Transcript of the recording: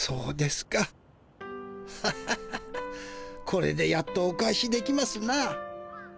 これでやっとお返しできますな。